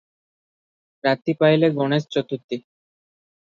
ରାତି ପାଇଲେ ଗଣେଶ ଚତୁର୍ଥୀ ।